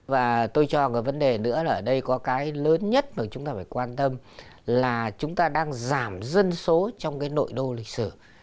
và tôi cho một vấn đề nữa là ở đây có cái lớn nhất mà chúng ta phải quan tâm là chúng ta đang giảm dân số trong cái nội đô lịch sử